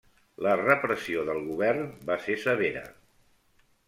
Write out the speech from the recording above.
La repressió del Govern va ser severa.